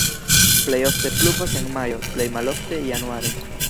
Plej ofte pluvas en majo, plej malofte januare.